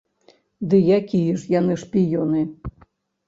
Ды якія ж яны шпіёны?